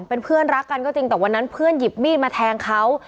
เป็นเพื่อนรักกันก็จริงแต่วันนั้นเพื่อนหยิบมีดมาแทงเขา